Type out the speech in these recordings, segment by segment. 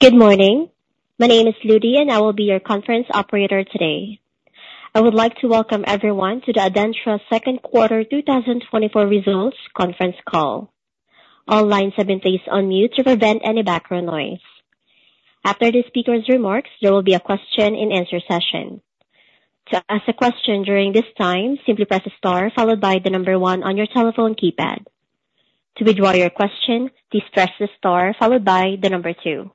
Good morning. My name is Ludy, and I will be your conference operator today. I would like to welcome everyone to the ADENTRA second quarter 2024 results conference call. All lines have been placed on mute to prevent any background noise. After the speaker's remarks, there will be a question-and-answer session. To ask a question during this time, simply press star followed by one on your telephone keypad. To withdraw your question, please press star followed by one.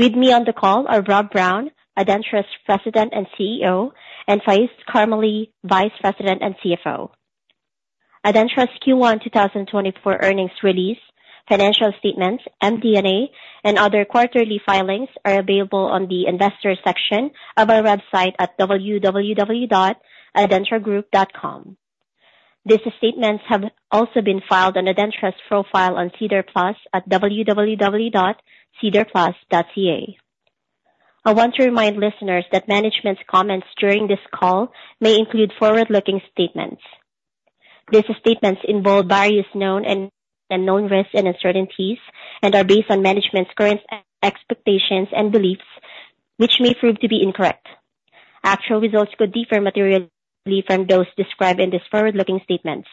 With me on the call are Rob Brown, ADENTRA's President and CEO, and Faiz Karmally, Vice President and CFO. ADENTRA's Q1 2024 earnings release, financial statements, MD&A, and other quarterly filings are available on the investor section of our website at www.adentragroup.com. These statements have also been filed on ADENTRA's profile on SEDAR+ at www.sedarplus.ca. I want to remind listeners that management's comments during this call may include forward-looking statements. These statements involve various known and unknown risks and uncertainties and are based on management's current expectations and beliefs, which may prove to be incorrect. Actual results could differ materially from those described in these forward-looking statements.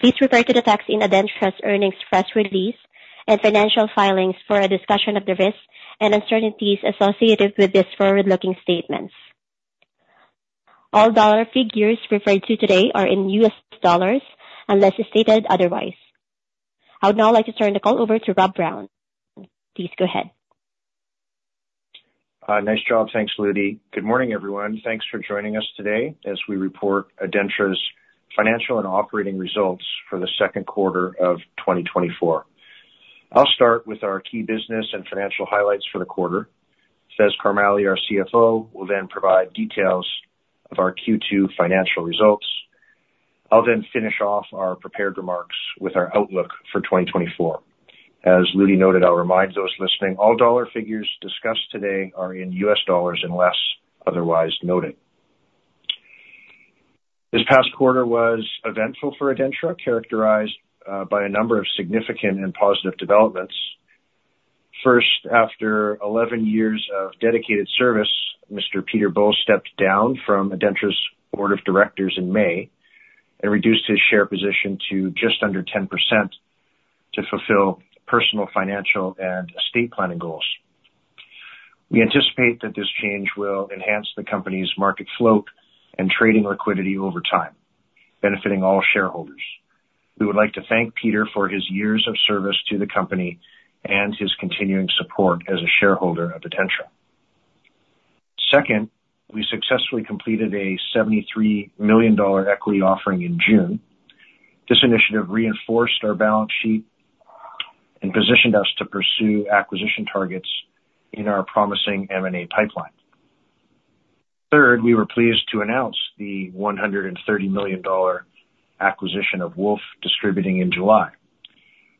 Please refer to the text in ADENTRA's earnings press release and financial filings for a discussion of the risks and uncertainties associated with these forward-looking statements. All dollar figures referred to today are in U.S. dollars unless stated otherwise. I would now like to turn the call over to Rob Brown. Please go ahead. Nice job. Thanks, Ludy. Good morning, everyone. Thanks for joining us today as we report ADENTRA's financial and operating results for the second quarter of 2024. I'll start with our key business and financial highlights for the quarter. Faiz Karmally, our CFO, will then provide details of our Q2 financial results. I'll then finish off our prepared remarks with our outlook for 2024. As Ludy noted, I'll remind those listening, all dollar figures discussed today are in US dollars unless otherwise noted. This past quarter was eventful for ADENTRA, characterized by a number of significant and positive developments. First, after 11 years of dedicated service, Mr. Peter Bull stepped down from ADENTRA's board of directors in May and reduced his share position to just under 10% to fulfill personal, financial, and estate planning goals. We anticipate that this change will enhance the company's market float and trading liquidity over time, benefiting all shareholders. We would like to thank Peter for his years of service to the company and his continuing support as a shareholder of ADENTRA. Second, we successfully completed a 73 million dollar equity offering in June. This initiative reinforced our balance sheet and positioned us to pursue acquisition targets in our promising M&A pipeline. Third, we were pleased to announce the 130 million dollar acquisition of Woolf Distributing in July.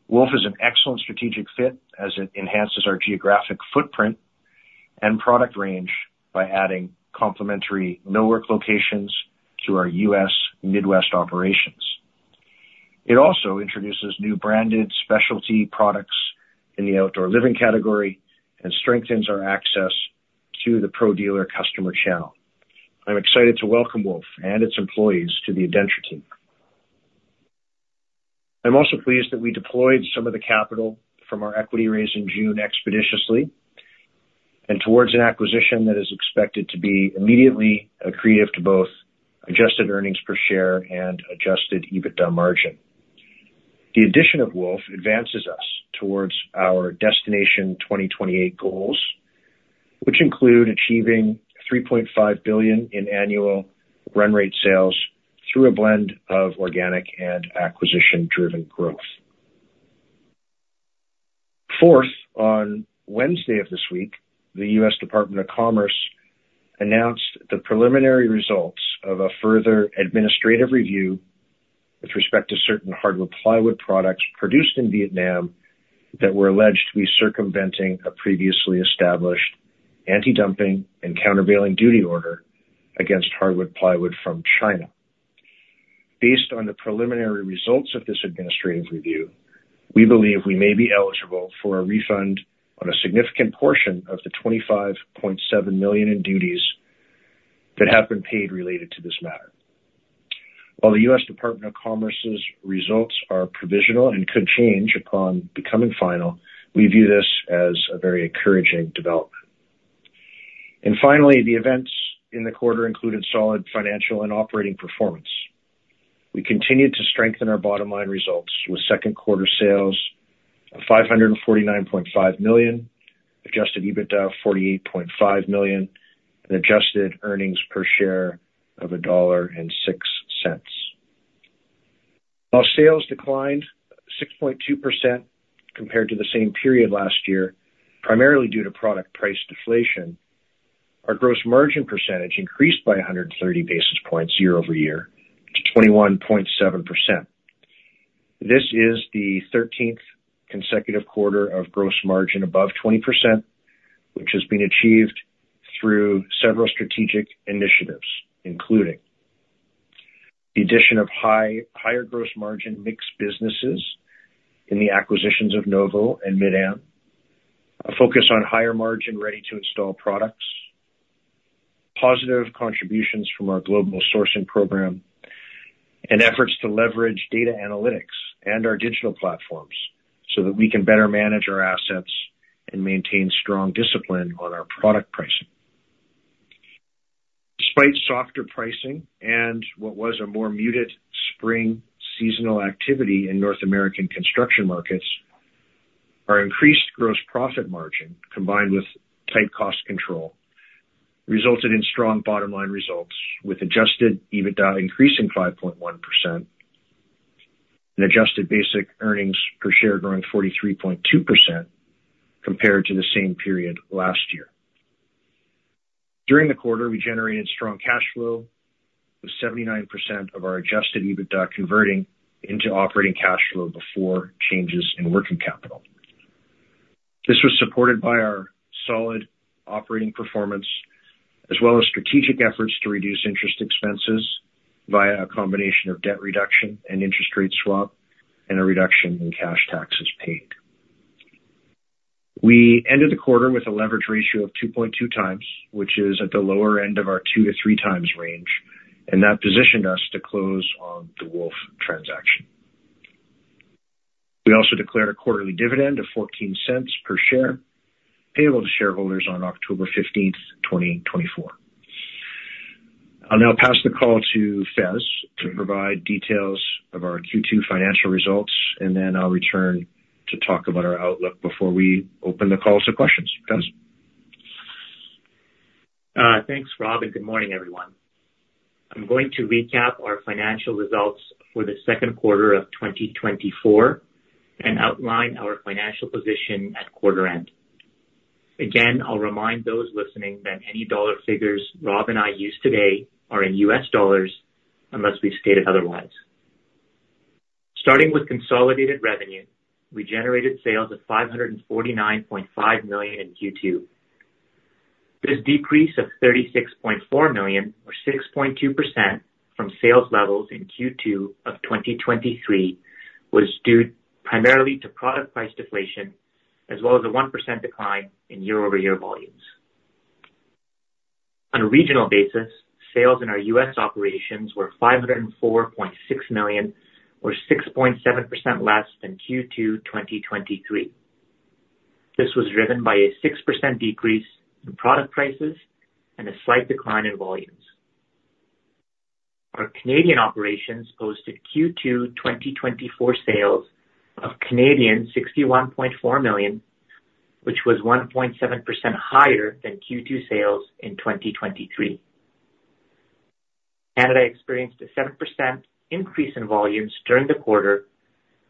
Woolf is an excellent strategic fit as it enhances our geographic footprint and product range by adding complementary millwork locations to our U.S. Midwest operations. It also introduces new branded specialty products in the outdoor living category and strengthens our access to the pro dealer customer channel. I'm excited to welcome Woolf and its employees to the ADENTRA team. I'm also pleased that we deployed some of the capital from our equity raise in June expeditiously and towards an acquisition that is expected to be immediately accretive to both adjusted earnings per share and Adjusted EBITDA margin. The addition of Woolf advances us towards our Destination 2028 goals, which include achieving 3.5 billion in annual run rate sales through a blend of organic and acquisition-driven growth. Fourth, on Wednesday of this week, the U.S. Department of Commerce announced the preliminary results of a further administrative review with respect to certain hardwood plywood products produced in Vietnam that were alleged to be circumventing a previously established antidumping and countervailing duty order against hardwood plywood from China. Based on the preliminary results of this administrative review, we believe we may be eligible for a refund on a significant portion of the $25.7 million in duties that have been paid related to this matter. While the U.S. Department of Commerce's results are provisional and could change upon becoming final, we view this as a very encouraging development. Finally, the events in the quarter included solid financial and operating performance. We continued to strengthen our bottom-line results with second quarter sales of $549.5 million, adjusted EBITDA of $48.5 million, and adjusted earnings per share of $1.06. While sales declined 6.2% compared to the same period last year, primarily due to product price deflation, our gross margin percentage increased by 130 basis points year-over-year to 21.7%. This is the 13th consecutive quarter of gross margin above 20%, which has been achieved through several strategic initiatives, including the addition of higher gross margin mix businesses in the acquisitions of Novo and MidAm, a focus on higher margin ready-to-install products, positive contributions from our global sourcing program, and efforts to leverage data analytics and our digital platforms so that we can better manage our assets and maintain strong discipline on our product pricing. Despite softer pricing and what was a more muted spring seasonal activity in North American construction markets, our increased gross profit margin, combined with tight cost control, resulted in strong bottom line results, with Adjusted EBITDA increasing 5.1% and adjusted basic earnings per share growing 43.2% compared to the same period last year. During the quarter, we generated strong cash flow, with 79% of our Adjusted EBITDA converting into operating cash flow before changes in working capital. This was supported by our solid operating performance, as well as strategic efforts to reduce interest expenses via a combination of debt reduction and interest rate swap, and a reduction in cash taxes paid. We ended the quarter with a leverage ratio of 2.2x, which is at the lower end of our 2x-3x range, and that positioned us to close on the Woolf transaction. We also declared a quarterly dividend of 0.14 per share, payable to shareholders on October fifteenth, 2024. I'll now pass the call to Faiz to provide details of our Q2 financial results, and then I'll return to talk about our outlook before we open the call to questions. Faiz? Thanks, Rob, and good morning, everyone. I'm going to recap our financial results for the second quarter of 2024 and outline our financial position at quarter end. Again, I'll remind those listening that any dollar figures Rob and I use today are in US dollars unless we've stated otherwise. Starting with consolidated revenue, we generated sales of $549.5 million in Q2. This decrease of $36.4 million, or 6.2%, from sales levels in Q2 of 2023, was due primarily to product price deflation, as well as a 1% decline in year-over-year volumes. On a regional basis, sales in our US operations were $504.6 million, or 6.7% less than Q2 2023. This was driven by a 6% decrease in product prices and a slight decline in volumes. Our Canadian operations posted Q2 2024 sales of 61.4 million, which was 1.7% higher than Q2 sales in 2023. Canada experienced a 7% increase in volumes during the quarter,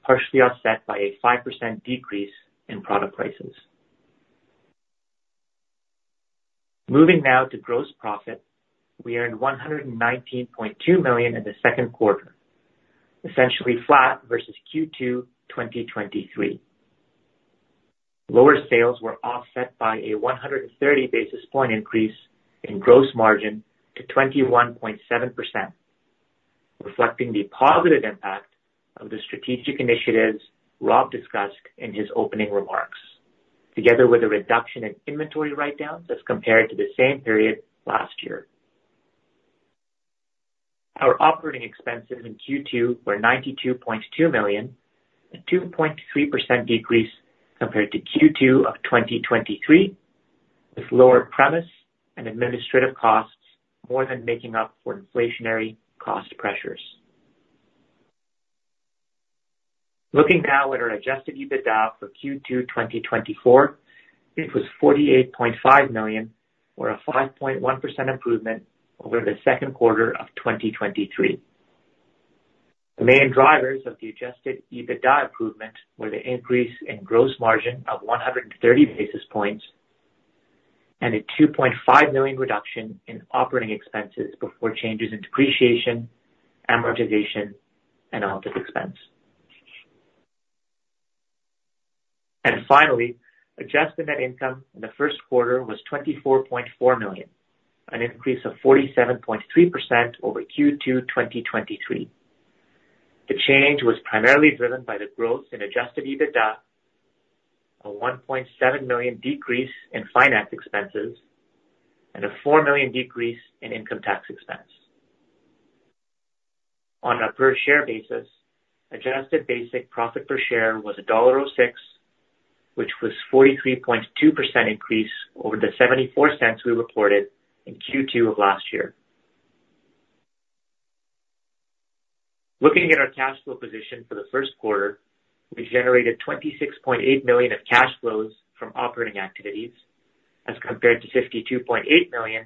partially offset by a 5% decrease in product prices. Moving now to gross profit. We earned 119.2 million in the second quarter, essentially flat versus Q2 2023. Lower sales were offset by a 130 basis point increase in gross margin to 21.7%, reflecting the positive impact of the strategic initiatives Rob discussed in his opening remarks, together with a reduction in inventory write-downs as compared to the same period last year. Our operating expenses in Q2 were 92.2 million, a 2.3% decrease compared to Q2 of 2023, with lower premises and administrative costs more than making up for inflationary cost pressures. Looking now at our Adjusted EBITDA for Q2 2024, it was 48.5 million, or a 5.1% improvement over the second quarter of 2023. The main drivers of the Adjusted EBITDA improvement were the increase in gross margin of 130 basis points and a 2.5 million reduction in operating expenses before changes in depreciation, amortization, and office expense. And finally, Adjusted net income in the first quarter was 24.4 million, an increase of 47.3% over Q2 2023. The change was primarily driven by the growth in Adjusted EBITDA, a 1.7 million decrease in finance expenses, and a 4 million decrease in income tax expense. On a per-share basis, adjusted basic profit per share was 1.06 dollar, which was 43.2% increase over the 0.74 we reported in Q2 of last year. Looking at our cash flow position for the first quarter, we generated CAD 26.8 million of cash flows from operating activities as compared to CAD 52.8 million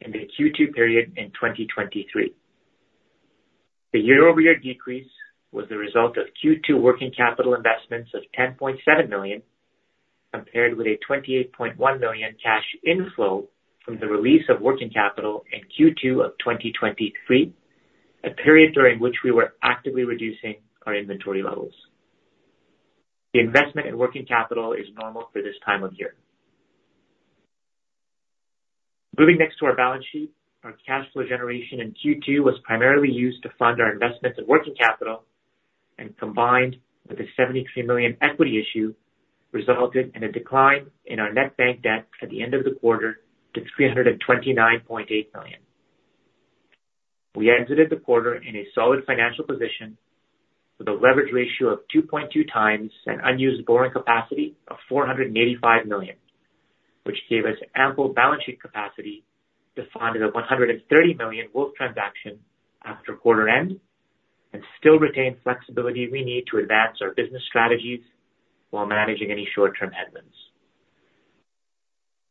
in the Q2 period in 2023. The year-over-year decrease was the result of Q2 working capital investments of CAD 10.7 million, compared with a CAD 28.1 million cash inflow from the release of working capital in Q2 of 2023, a period during which we were actively reducing our inventory levels. The investment in working capital is normal for this time of year. Moving next to our balance sheet. Our cash flow generation in Q2 was primarily used to fund our investments in working capital, and combined with the 73 million equity issue, resulted in a decline in our net bank debt at the end of the quarter to 329.8 million. We exited the quarter in a solid financial position with a leverage ratio of 2.2x and unused borrowing capacity of 485 million, which gave us ample balance sheet capacity to fund the 130 million Woolf transaction after quarter end, and still retain flexibility we need to advance our business strategies while managing any short-term headwinds.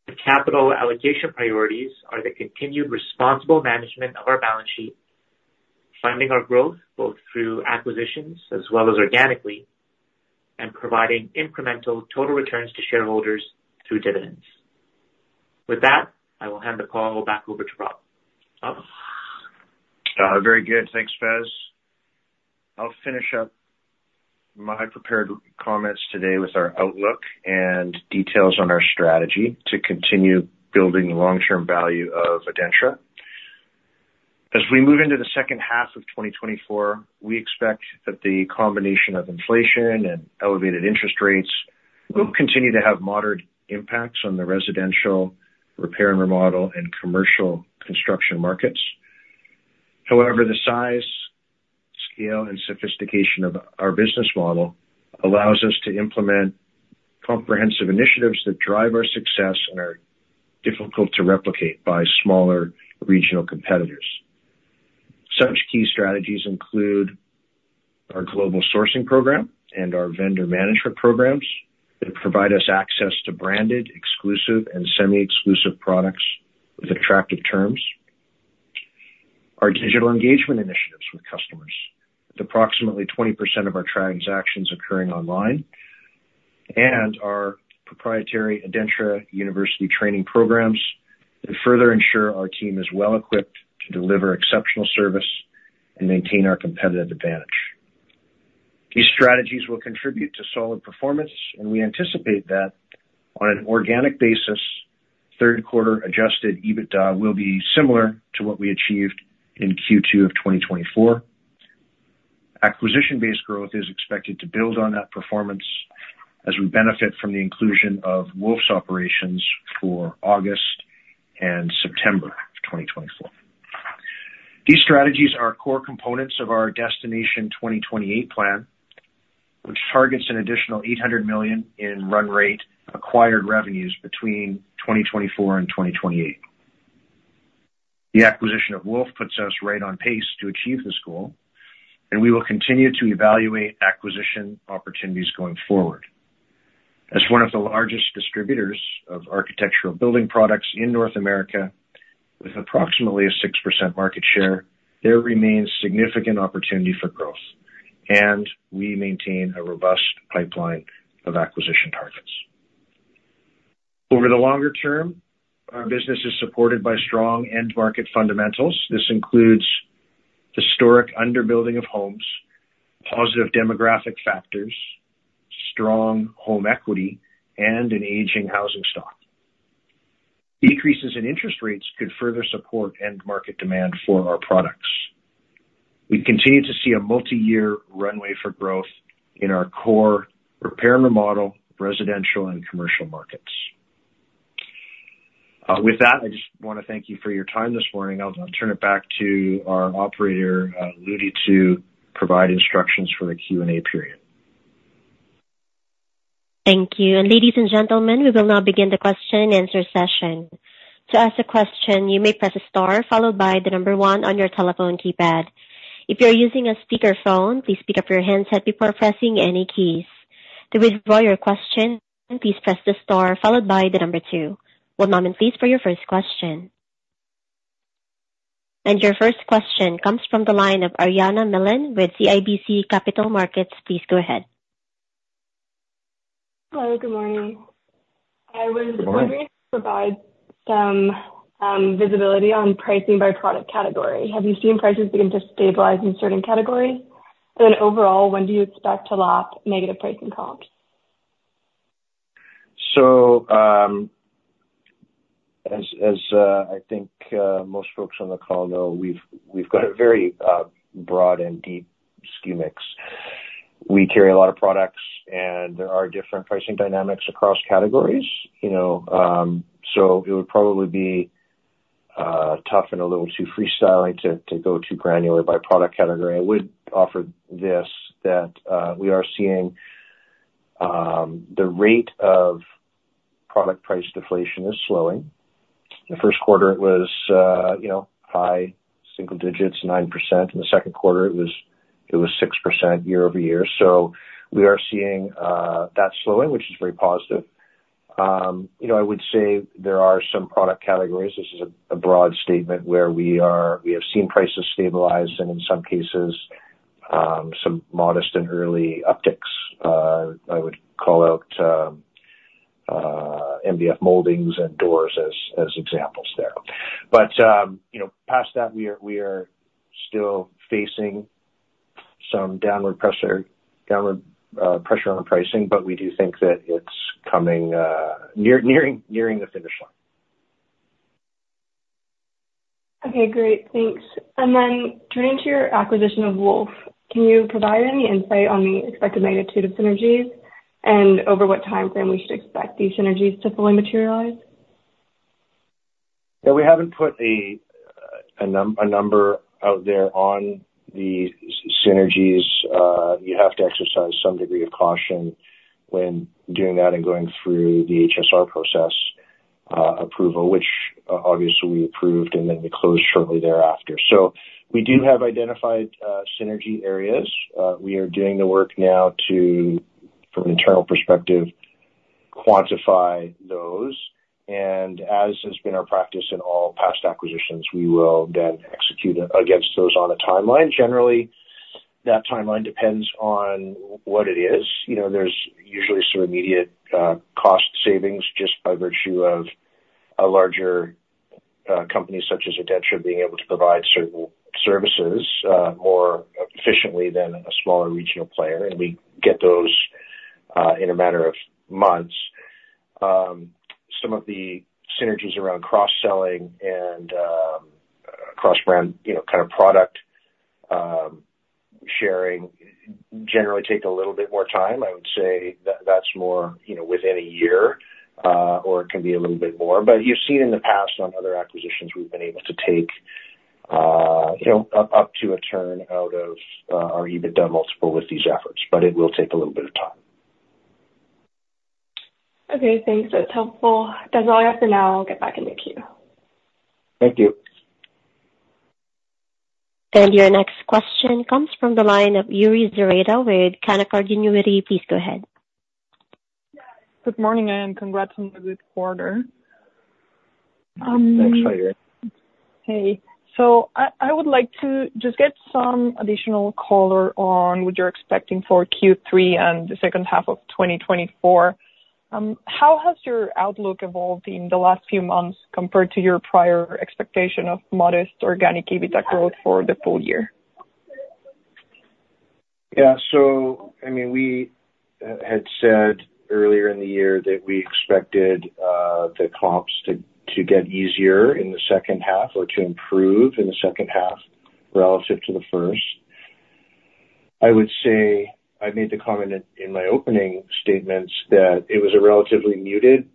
The capital allocation priorities are the continued responsible management of our balance sheet, funding our growth, both through acquisitions as well as organically, and providing incremental total returns to shareholders through dividends. With that, I will hand the call back over to Rob. Rob? Very good. Thanks, Faiz. I'll finish up my prepared comments today with our outlook and details on our strategy to continue building the long-term value of ADENTRA. As we move into the second half of 2024, we expect that the combination of inflation and elevated interest rates will continue to have moderate impacts on the residential repair and remodel and commercial construction markets. However, the size, scale, and sophistication of our business model allows us to implement comprehensive initiatives that drive our success and are difficult to replicate by smaller regional competitors. Such key strategies include our global sourcing program and our vendor management programs that provide us access to branded, exclusive, and semi-exclusive products with attractive terms. Our digital engagement initiatives with customers, with approximately 20% of our transactions occurring online, and our proprietary ADENTRA University training programs, that further ensure our team is well equipped to deliver exceptional service and maintain our competitive advantage. These strategies will contribute to solid performance, and we anticipate that on an organic basis, third quarter adjusted EBITDA will be similar to what we achieved in Q2 of 2024. Acquisition-based growth is expected to build on that performance as we benefit from the inclusion of Woolf's operations for August and September of 2024. These strategies are core components of our Destination 2028 plan, which targets an additional 800 million in run rate acquired revenues between 2024 and 2028. The acquisition of Woolf puts us right on pace to achieve this goal, and we will continue to evaluate acquisition opportunities going forward. As one of the largest distributors of architectural building products in North America, with approximately a 6% market share, there remains significant opportunity for growth, and we maintain a robust pipeline of acquisition targets. Over the longer term, our business is supported by strong end market fundamentals. This includes historic under-building of homes, positive demographic factors, strong home equity, and an aging housing stock. Decreases in interest rates could further support end market demand for our products. We continue to see a multi-year runway for growth in our core repair and remodel, residential and commercial markets. With that, I just wanna thank you for your time this morning. I'll now turn it back to our operator, Ludy Tu, to provide instructions for the Q&A period. Thank you. Ladies and gentlemen, we will now begin the question and answer session. To ask a question, you may press star followed by the number one on your telephone keypad. If you're using a speakerphone, please pick up your handset before pressing any keys. To withdraw your question, please press the star followed by the number two. One moment, please, for your first question. Your first question comes from the line of Ariana Milan with CIBC Capital Markets. Please go ahead. Hello, good morning. Good morning. I was wondering if you could provide some visibility on pricing by product category. Have you seen prices begin to stabilize in certain categories? Then overall, when do you expect to lap negative pricing comps? So, I think most folks on the call know, we've got a very broad and deep SKU mix. We carry a lot of products, and there are different pricing dynamics across categories, you know. So it would probably be tough and a little too freestyling to go too granular by product category. I would offer this, that we are seeing the rate of product price deflation is slowing. The first quarter, it was, you know, high single digits, 9%. In the second quarter, it was 6% year-over-year. So we are seeing that slowing, which is very positive. You know, I would say there are some product categories, this is a broad statement, where we have seen prices stabilize and in some cases, some modest and early upticks. I would call out MDF moldings and doors as examples there. But, you know, past that, we are still facing some downward pressure on the pricing, but we do think that it's nearing the finish line. Okay, great. Thanks. And then turning to your acquisition of Woolf, can you provide any insight on the expected magnitude of synergies, and over what time frame we should expect these synergies to fully materialize? Yeah, we haven't put a number out there on the synergies. You have to exercise some degree of caution when doing that and going through the HSR process, approval, which obviously we approved, and then we closed shortly thereafter. So we do have identified synergy areas. We are doing the work now to, from an internal perspective, quantify those. And as has been our practice in all past acquisitions, we will then execute against those on a timeline. Generally, that timeline depends on what it is. You know, there's usually some immediate cost savings, just by virtue of a larger company such as ADENTRA being able to provide certain services more efficiently than a smaller regional player, and we get those in a matter of months. Some of the synergies around cross-selling and, cross-brand, you know, kind of product, sharing generally take a little bit more time. I would say that- that's more, you know, within a year, or it can be a little bit more. But you've seen in the past, on other acquisitions, we've been able to take, you know, up, up to a turn out of, our EBITDA multiple with these efforts, but it will take a little bit of time. Okay, thanks. That's helpful. That's all I have for now. I'll get back in the queue. Thank you. Your next question comes from the line of Yuri Lynk with Canaccord Genuity. Please go ahead. Good morning, and congrats on the good quarter. Thanks for your- Hey. So I would like to just get some additional color on what you're expecting for Q3 and the second half of 2024. How has your outlook evolved in the last few months, compared to your prior expectation of modest organic EBITDA growth for the full year? Yeah. So I mean, we had said earlier in the year that we expected the comps to get easier in the second half or to improve in the second half relative to the first. I would say I made the comment in my opening statements that it was a relatively muted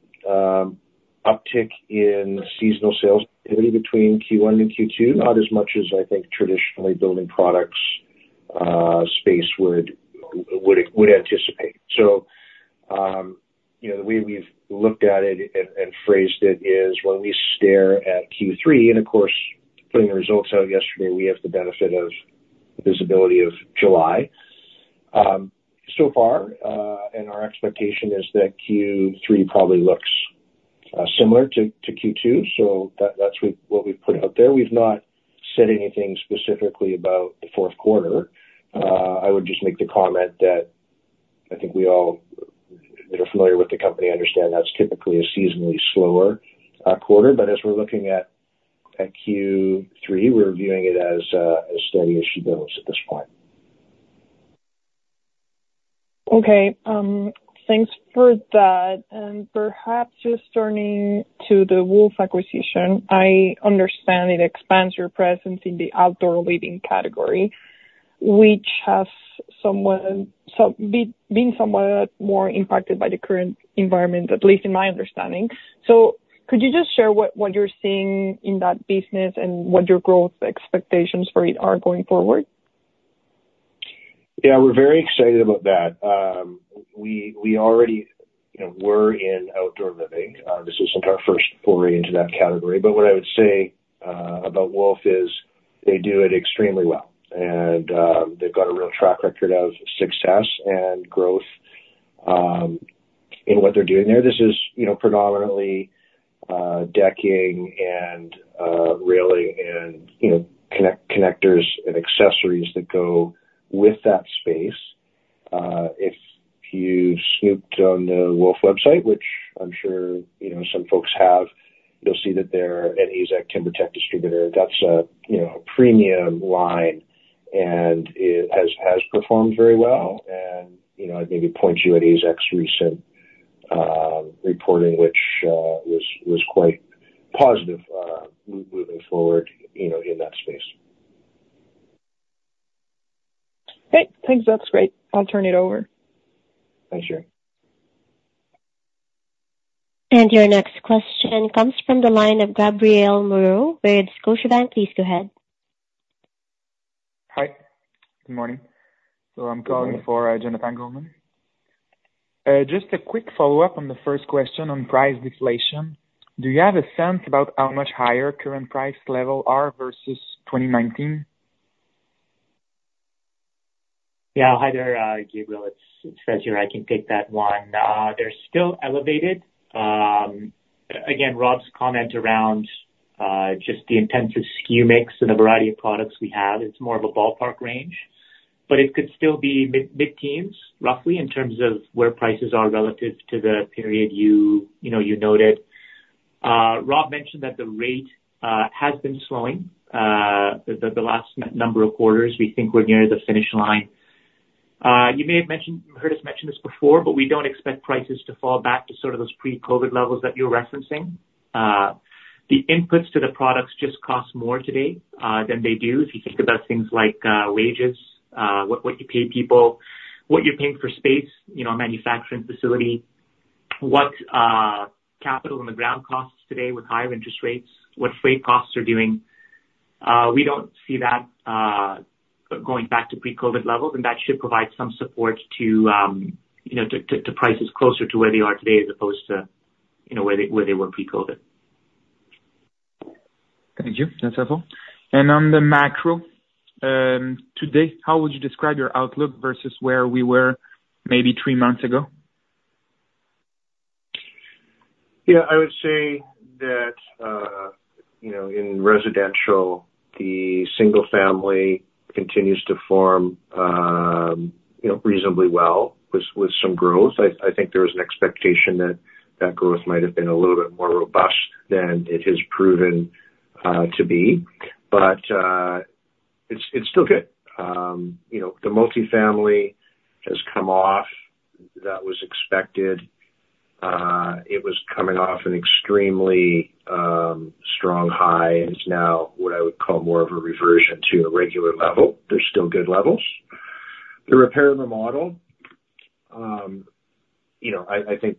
uptick in seasonal sales activity between Q1 and Q2, not as much as I think traditionally building products space would anticipate. So, you know, the way we've looked at it and phrased it is, when we stare at Q3, and of course, putting the results out yesterday, we have the benefit of visibility of July. So far, and our expectation is that Q3 probably looks similar to Q2, so that's what we've put out there. We've not said anything specifically about the fourth quarter. I would just make the comment that I think we all that are familiar with the company, understand that's typically a seasonally slower quarter, but as we're looking at, at Q3, we're viewing it as, as steady as she builds at this point. Okay. Thanks for that. And perhaps just turning to the Woolf acquisition, I understand it expands your presence in the outdoor living category, which has been somewhat more impacted by the current environment, at least in my understanding. So could you just share what you're seeing in that business and what your growth expectations for it are going forward? Yeah, we're very excited about that. We already, you know, were in outdoor living. This isn't our first foray into that category. But what I would say about Woolf is they do it extremely well, and they've got a real track record of success and growth in what they're doing there. This is, you know, predominantly decking and railing and, you know, connectors and accessories that go with that space. If you've snooped on the Woolf website, which I'm sure, you know, some folks have, you'll see that they're an AZEK TimberTech distributor. That's a, you know, a premium line, and it has performed very well. And, you know, I'd maybe point you at AZEK's recent reporting, which was quite positive moving forward, you know, in that space. Great. Thanks. That's great. I'll turn it over. Pleasure. Your next question comes from the line of Gabriel Moreau with Scotiabank. Please go ahead. Hi, good morning. Good morning. So I'm calling for, Jonathan Goldman. Just a quick follow-up on the first question on price deflation. Do you have a sense about how much higher current price level are versus 2019? Yeah. Hi there, Gabrielle. It's a pleasure. I can take that one. They're still elevated. But again, Rob's comment around just the intensive SKU mix and the variety of products we have, it's more of a ballpark range, but it could still be mid-teens, roughly, in terms of where prices are relative to the period you know you noted. Rob mentioned that the rate has been slowing the last number of quarters. We think we're near the finish line. You may have heard us mention this before, but we don't expect prices to fall back to sort of those pre-COVID levels that you're referencing. The inputs to the products just cost more today than they do if you think about things like wages, what you pay people, what you're paying for space, you know, a manufacturing facility, what capital in the ground costs today with higher interest rates, what freight costs are doing. We don't see that going back to pre-COVID levels, and that should provide some support to, you know, prices closer to where they are today, as opposed to, you know, where they were pre-COVID. Thank you. That's helpful. On the macro, today, how would you describe your outlook versus where we were maybe three months ago? Yeah, I would say that, you know, in residential, the single family continues to form, you know, reasonably well with some growth. I think there was an expectation that that growth might have been a little bit more robust than it has proven to be. But it's still good. You know, the multifamily has come off. That was expected. It was coming off an extremely strong high and is now what I would call more of a reversion to a regular level. They're still good levels. The repair and remodel, you know, I think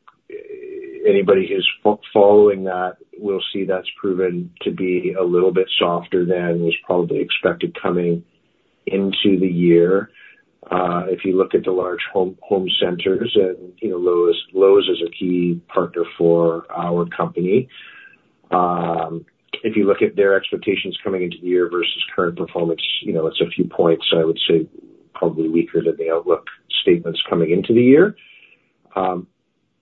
anybody who's following that will see that's proven to be a little bit softer than was probably expected coming into the year. If you look at the large home centers and, you know, Lowe's is a key partner for our company. If you look at their expectations coming into the year versus current performance, you know, it's a few points, I would say, probably weaker than the outlook statements coming into the year.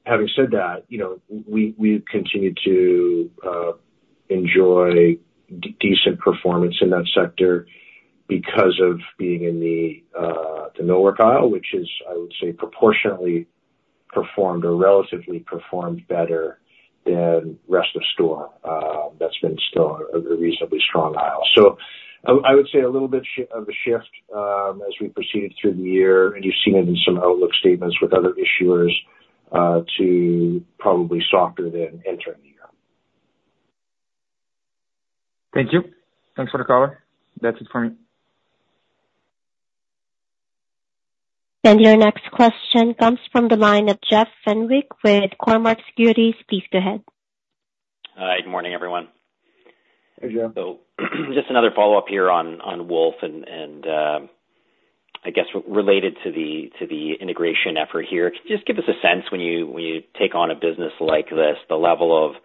Having said that, you know, we've continued to enjoy decent performance in that sector because of being in the millwork aisle, which is, I would say, proportionately performed or relatively performed better than rest of store. That's been still a reasonably strong aisle. So I would say a little bit of a shift, as we proceeded through the year, and you've seen it in some outlook statements with other issuers to probably softer than entering the year. Thank you. Thanks for the call. That's it for me. Your next question comes from the line of Jeff Fenwick with Cormark Securities. Please go ahead. Hi, good morning, everyone. Hey, Jeff. So just another follow-up here on Woolf and I guess related to the integration effort here. Could you just give us a sense when you take on a business like this, the level of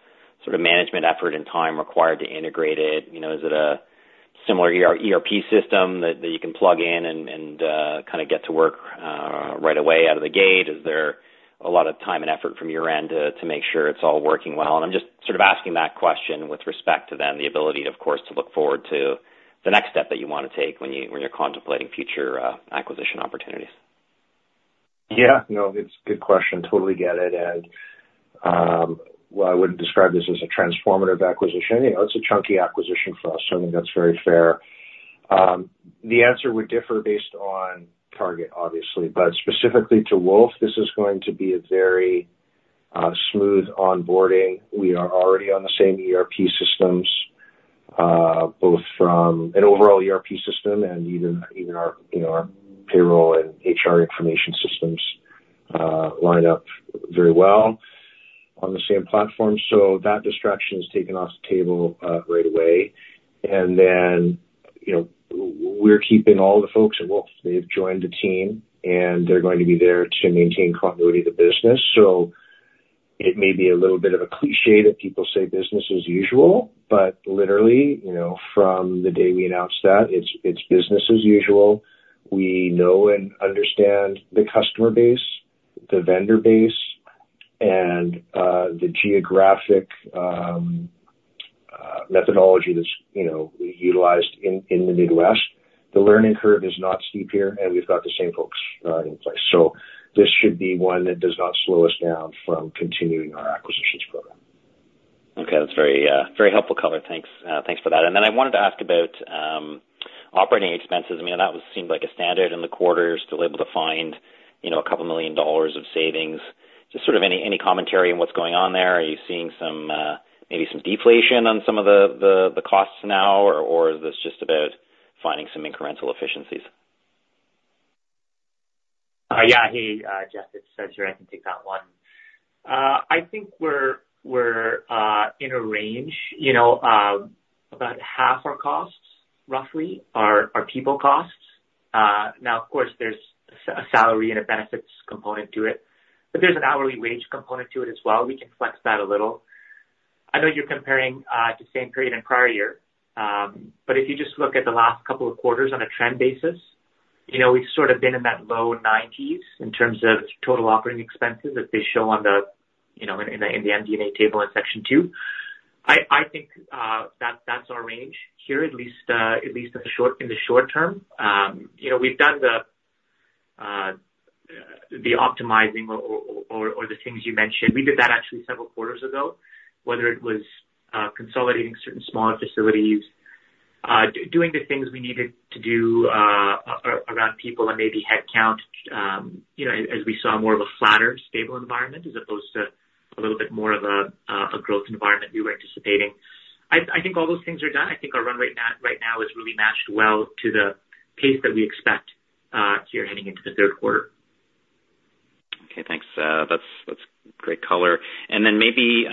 sort of management effort and time required to integrate it? You know, is it a similar ERP system that you can plug in and kind of get to work right away out of the gate? Is there a lot of time and effort from your end to make sure it's all working well? And I'm just sort of asking that question with respect to then the ability, of course, to look forward to the next step that you wanna take when you're contemplating future acquisition opportunities. Yeah, no, it's a good question. Totally get it. And while I wouldn't describe this as a transformative acquisition, you know, it's a chunky acquisition for us, so I think that's very fair. The answer would differ based on target, obviously. But specifically to Woolf, this is going to be a very smooth onboarding. We are already on the same ERP systems both from an overall ERP system and even our you know our payroll and HR information systems line up very well on the same platform. So that distraction is taken off the table right away. And then, you know, we're keeping all the folks at Woolf. They've joined the team, and they're going to be there to maintain continuity of the business. So it may be a little bit of a cliché that people say business as usual, but literally, you know, from the day we announced that, it's, it's business as usual. We know and understand the customer base, the vendor base, and the geographic methodology that's, you know, utilized in the Midwest. The learning curve is not steep here, and we've got the same folks in place. So this should be one that does not slow us down from continuing our acquisitions program. Okay. That's very, very helpful color. Thanks, thanks for that. And then I wanted to ask about, operating expenses. I mean, that was seemed like a standard in the quarters to able to find, you know, a couple million dollars of savings. Just sort of any commentary on what's going on there? Are you seeing some, maybe some deflation on some of the costs now, or is this just about finding some incremental efficiencies? Yeah. Hey, Jeff, it's Faiz. I can take that one. I think we're in a range, you know, about half our costs, roughly, are people costs. Now, of course, there's a salary and a benefits component to it, but there's an hourly wage component to it as well. We can flex that a little. I know you're comparing the same period in prior year, but if you just look at the last couple of quarters on a trend basis, you know, we've sort of been in that low 90s in terms of total operating expenses as they show on the, you know, in the MD&A table in section 2. I think that's our range here, at least in the short term. You know, we've done the-... The optimizing or the things you mentioned, we did that actually several quarters ago, whether it was consolidating certain smaller facilities, doing the things we needed to do, around people and maybe headcount, you know, as we saw more of a flatter, stable environment, as opposed to a little bit more of a growth environment we were anticipating. I think all those things are done. I think our run rate now, right now is really matched well to the pace that we expect, here heading into the third quarter. Okay, thanks. That's great color. And then maybe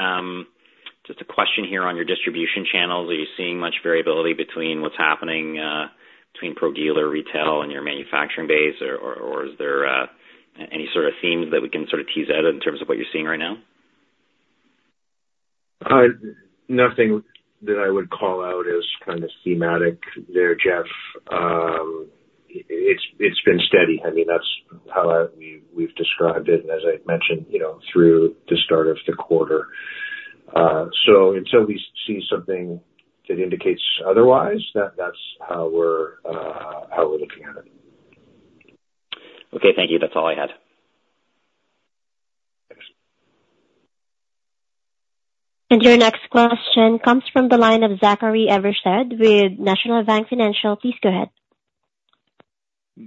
just a question here on your distribution channels. Are you seeing much variability between what's happening between pro dealer retail and your manufacturing base, or is there any sort of themes that we can sort of tease out in terms of what you're seeing right now? Nothing that I would call out as kind of schematic there, Jeff. It's been steady. I mean, that's how we've described it, and as I've mentioned, you know, through the start of the quarter. So until we see something that indicates otherwise, that's how we're looking at it. Okay, thank you. That's all I had. Thanks. Your next question comes from the line of Zachary Evershed with National Bank Financial. Please go ahead.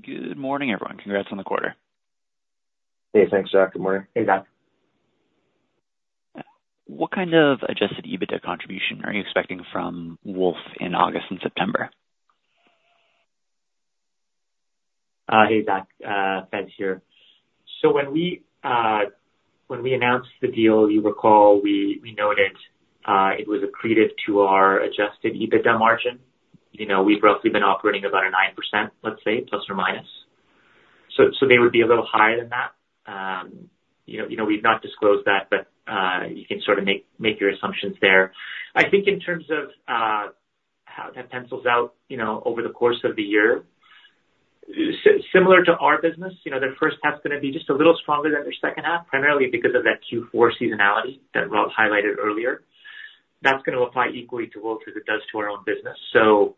Good morning, everyone. Congrats on the quarter. Hey, thanks, Zach. Good morning. Hey, Zach. What kind of Adjusted EBITDA contribution are you expecting from Woolf in August and September? Hey, Zach, Faiz here. So when we, when we announced the deal, you recall, we, we noted, it was accretive to our adjusted EBITDA margin. You know, we've roughly been operating about 9%, let's say, plus or minus. So, so they would be a little higher than that. You know, you know, we've not disclosed that, but, you can sort of make, make your assumptions there. I think in terms of, how that pencils out, you know, over the course of the year, similar to our business, you know, their first half is gonna be just a little stronger than their second half, primarily because of that Q4 seasonality that Rob highlighted earlier. That's gonna apply equally to Woolf as it does to our own business. So,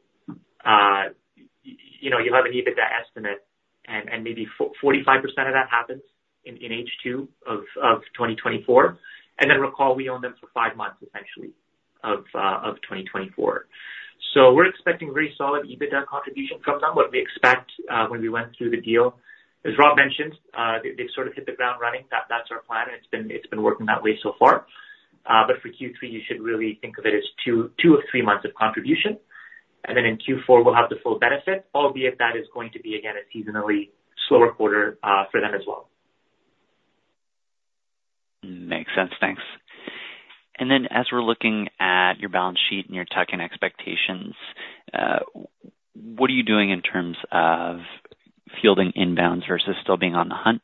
you know, you'll have an EBITDA estimate, and maybe 45% of that happens in H2 of 2024. And then recall, we own them for 5 months, essentially, of 2024. So we're expecting very solid EBITDA contribution from them. What we expect, when we went through the deal, as Rob mentioned, they've sort of hit the ground running. That's our plan, and it's been working that way so far. But for Q3, you should really think of it as 2 months of 3 months of contribution. And then in Q4, we'll have the full benefit, albeit that is going to be, again, a seasonally slower quarter for them as well. Makes sense, thanks. And then as we're looking at your balance sheet and your tuck-in expectations, what are you doing in terms of fielding inbounds versus still being on the hunt?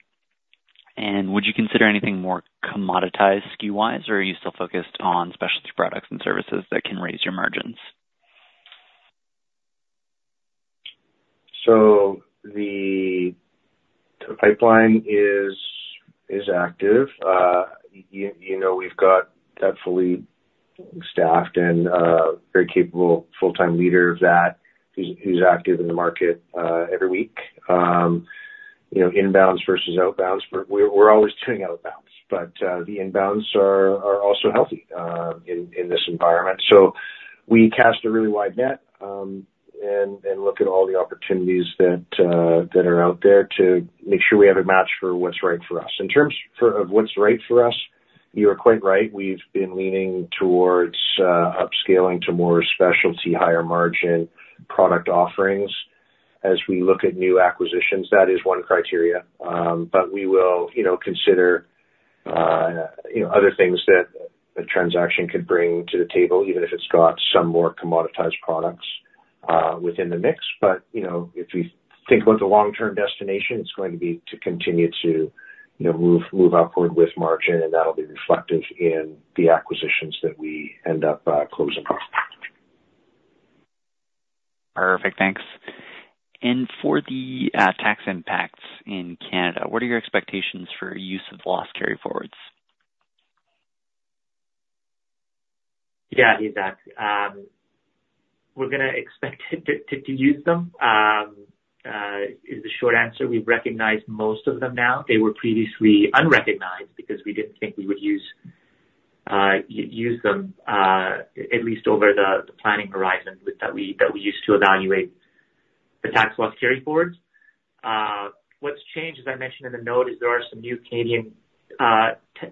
And would you consider anything more commoditized SKU-wise, or are you still focused on specialty products and services that can raise your margins? So the pipeline is active. You know, we've got that fully staffed and very capable full-time leader of that, who's active in the market every week. You know, inbounds versus outbounds, but we're always doing outbounds, but the inbounds are also healthy in this environment. So we cast a really wide net and look at all the opportunities that are out there to make sure we have a match for what's right for us. In terms of what's right for us, you are quite right. We've been leaning towards upscaling to more specialty, higher margin product offerings. As we look at new acquisitions, that is one criteria. But we will, you know, consider, you know, other things that a transaction could bring to the table, even if it's got some more commoditized products within the mix. But, you know, if we think about the long-term destination, it's going to be to continue to, you know, move upward with margin, and that'll be reflective in the acquisitions that we end up closing off. Perfect, thanks. For the tax impacts in Canada, what are your expectations for use of Loss carryforwards? Yeah, Zach, we're gonna expect to use them. Is the short answer. We've recognized most of them now. They were previously unrecognized because we didn't think we would use them, at least over the planning horizon that we used to evaluate the tax loss carryforwards. What's changed, as I mentioned in the note, is there are some new Canadian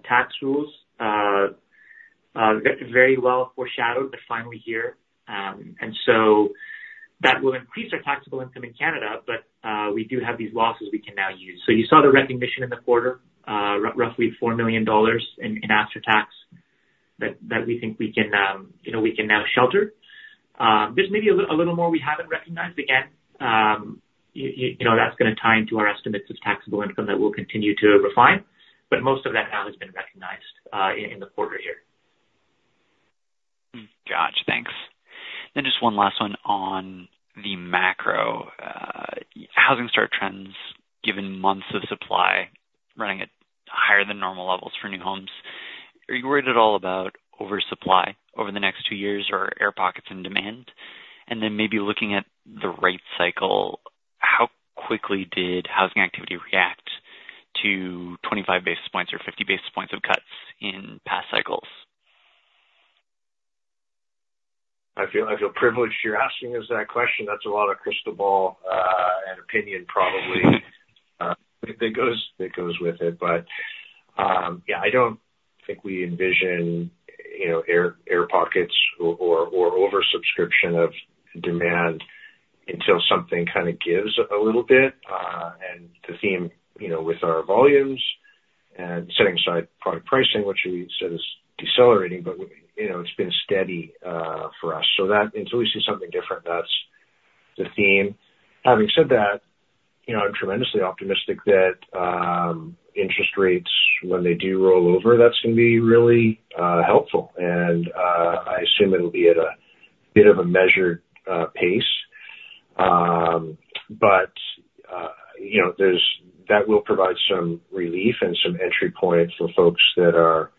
tax rules that very well foreshadowed, but finally here. And so that will increase our taxable income in Canada, but we do have these losses we can now use. So you saw the recognition in the quarter, roughly 4 million dollars after tax, that we think we can, you know, we can now shelter. There's maybe a little more we haven't recognized. Again, you know, that's gonna tie into our estimates of taxable income that we'll continue to refine, but most of that now has been recognized in the quarter year. Gotcha. Thanks. Then just one last one on the macro. Housing start trends, given months of supply running at higher than normal levels for new homes. Are you worried at all about oversupply over the next two years or air pockets in demand? And then maybe looking at the rate cycle, how quickly did housing activity react to 25 basis points or 50 basis points of cuts in past cycles? I feel privileged you're asking us that question. That's a lot of crystal ball, and opinion probably, that goes with it. But, yeah, I don't think we envision, you know, air pockets or oversubscription of demand until something kind of gives a little bit. And the theme, you know, with our volumes and setting aside product pricing, which you said is decelerating, but, you know, it's been steady, for us. So that until we see something different, that's the theme. Having said that, you know, I'm tremendously optimistic that, interest rates, when they do roll over, that's gonna be really, helpful. And, I assume it'll be at a bit of a measured, pace. But, you know, there's that will provide some relief and some entry points for folks that are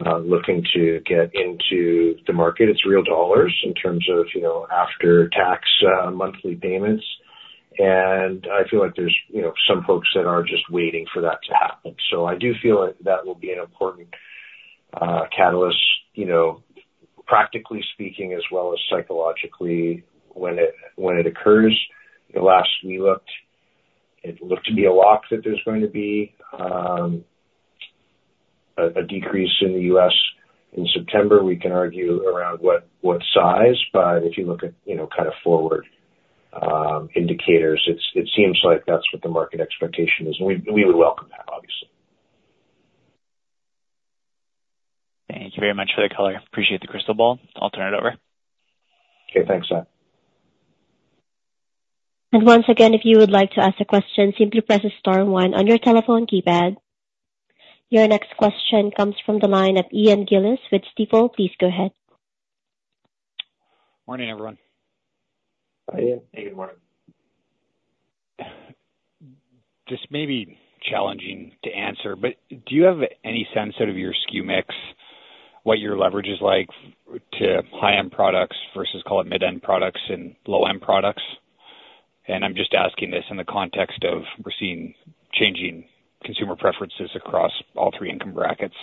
looking to get into the market. It's real dollars in terms of, you know, after-tax monthly payments. And I feel like there's, you know, some folks that are just waiting for that to happen. So I do feel like that will be an important catalyst, you know, practically speaking, as well as psychologically, when it, when it occurs. The last we looked, it looked to be a lock that there's going to be a, a decrease in the U.S. in September. We can argue around what, what size, but if you look at, you know, kind of forward indicators, it's, it seems like that's what the market expectation is, and we, we would welcome that, obviously. Thank you very much for the color. Appreciate the crystal ball. I'll turn it over. Okay, thanks, Matt. Once again, if you would like to ask a question, simply press star one on your telephone keypad. Your next question comes from the line of Ian Gillis with Stifel. Please go ahead. Morning, everyone. Hi, Ian. Hey, good morning. This may be challenging to answer, but do you have any sense out of your SKU mix, what your leverage is like to high-end products versus, call it, mid-end products and low-end products? And I'm just asking this in the context of we're seeing changing consumer preferences across all three income brackets.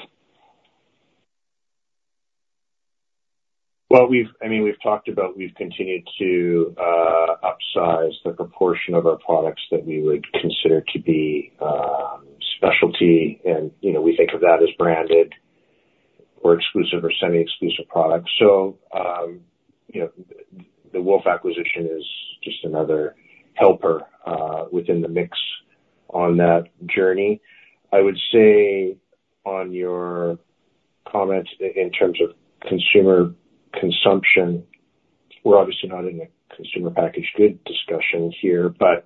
Well, I mean, we've talked about, we've continued to upsize the proportion of our products that we would consider to be specialty. And, you know, we think of that as branded or exclusive or semi-exclusive products. So, you know, the Woolf acquisition is just another helper within the mix on that journey. I would say on your comments in terms of consumer consumption, we're obviously not in a consumer packaged good discussion here, but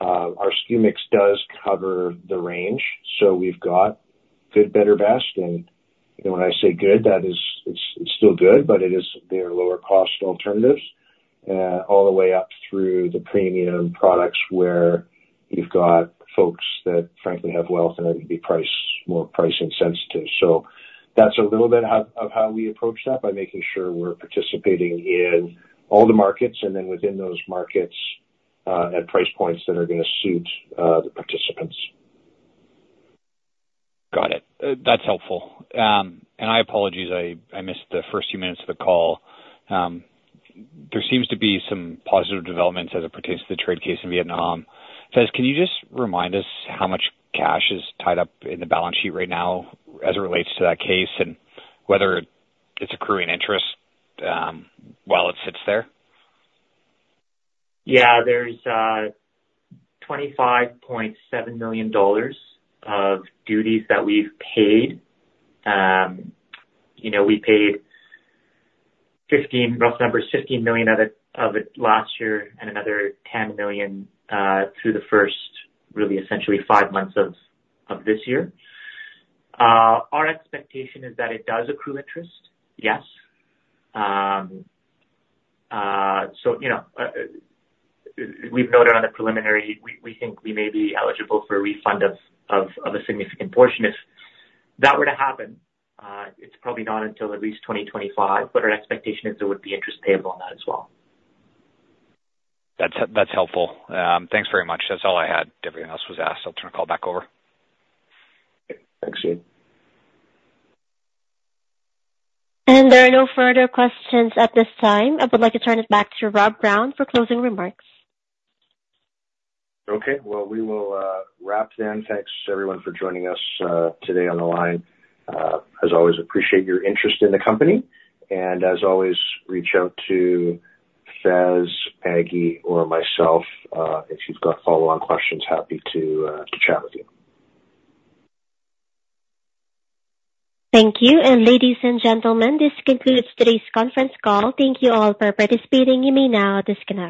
our SKU mix does cover the range, so we've got good, better, best. And, you know, when I say good, that is, it's still good, but it is, there are lower cost alternatives all the way up through the premium products, where you've got folks that frankly have wealth and are gonna be price- more price insensitive. So that's a little bit of how we approach that by making sure we're participating in all the markets, and then within those markets, at price points that are gonna suit the participants. Got it. That's helpful. I apologize, I missed the first few minutes of the call. There seems to be some positive developments as it pertains to the trade case in Vietnam. Faiz, can you just remind us how much cash is tied up in the balance sheet right now as it relates to that case, and whether it's accruing interest, while it sits there? Yeah, there's $25.7 million of duties that we've paid. You know, we paid 15, rough numbers, $15 million of it last year, and another $10 million through the first five months of this year. Our expectation is that it does accrue interest, yes. So, you know, we've noted on the preliminary, we think we may be eligible for a refund of a significant portion. If that were to happen, it's probably not until at least 2025, but our expectation is there would be interest payable on that as well. That's, that's helpful. Thanks very much. That's all I had. Everything else was asked. I'll turn the call back over. Thanks, Ian. There are no further questions at this time. I would like to turn it back to Rob Brown for closing remarks. Okay. Well, we will wrap then. Thanks everyone for joining us today on the line. As always, appreciate your interest in the company, and as always, reach out to Faiz, Maggie, or myself if you've got follow-on questions, happy to chat with you. Thank you. Ladies and gentlemen, this concludes today's conference call. Thank you all for participating. You may now disconnect.